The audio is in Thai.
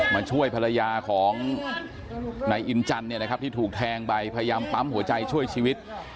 มาช่วยภรรยาของนายอินจันทร์ที่ถูกแทงไปพยายามปั๊มหัวใจช่วยชีวิต